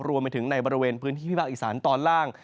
รวมไปถึงในบริเวณพื้นที่ภาคอีสานตอนล่าง